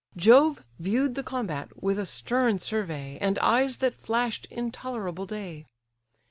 Jove view'd the combat with a stern survey, And eyes that flash'd intolerable day.